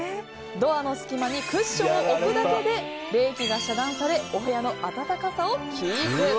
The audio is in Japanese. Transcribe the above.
ドアの隙間にクッションを置くだけで冷気が遮断されお部屋の暖かさをキープ。